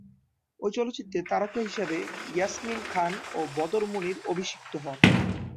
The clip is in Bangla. এ চলচ্চিত্রে তারকা হিসেবে ইয়াসমিন খান ও বদর মুনির অভিষিক্ত হন।